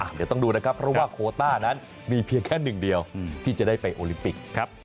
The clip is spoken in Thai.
เดี๋ยวต้องดูนะครับเพราะว่าโคต้านั้นมีเพียงแค่หนึ่งเดียวที่จะได้ไปโอลิมปิกครับ